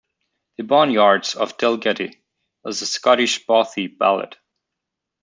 "The Barnyards of Delgaty" is a Scottish Bothy ballad.